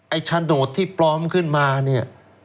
ไอ้ชะโนตที่ปลอมขึ้นมานี่